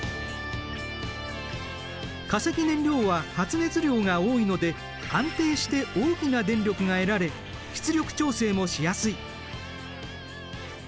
化石燃料は発熱量が多いので安定して大きな電力が得られ出力調整もしやすい。